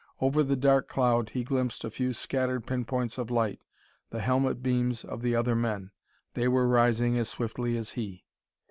Over the dark cloud he glimpsed a few scattered pin points of light the helmet beams of the other men. They were rising as swiftly as he.